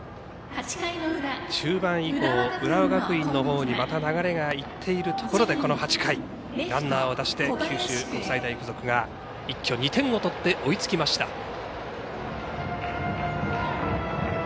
中盤以降浦和学院のほうにまた流れがいっているところでこの８回ランナーを出して九州国際大付属が一挙２点を取って追いつきました。